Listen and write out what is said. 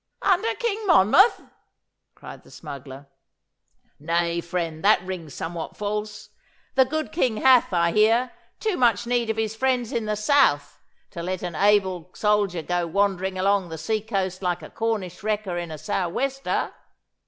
'Under King Monmouth!' cried the smuggler. 'Nay, friend, that rings somewhat false. The good King hath, I hear, too much need of his friends in the south to let an able soldier go wandering along the sea coast like a Cornish wrecker in a sou' wester.